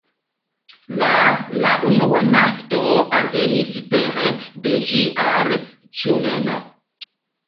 La la unua nafto alvenis pere de ĝi al Tjumeno.